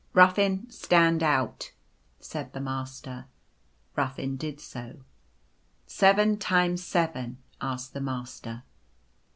u Ruffin, stand out," said the Master. Ruffin did so. " Seven times seven ?" asked the Master.